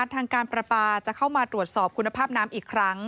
ทางการประปาจะเข้ามาตรวจสอบคุณภาพน้ำอีกครั้ง